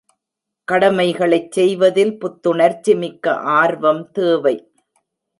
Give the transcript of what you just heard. கடமைகளைச் செய்வதில் புத்துணர்ச்சி மிக்க ஆர்வம் தேவை.